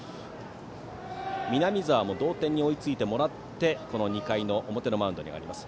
南澤も同点に追いついてもらって２回の表のマウンドに上がります。